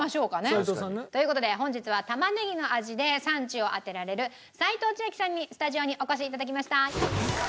齋藤さんね。という事で本日は玉ねぎの味で産地を当てられる齋藤千明さんにスタジオにお越し頂きました。